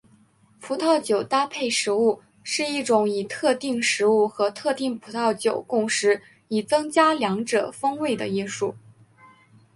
葡萄酒搭配食物是一种以特定食物和特定葡萄酒共食以增加两者风味的艺术。